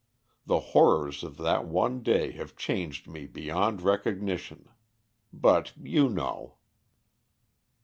The horrors of that one day have changed me beyond recognition. But you know."